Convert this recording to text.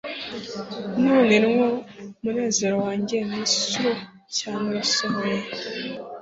none nwo munezero wanjye mwinslu cyane urasohoye'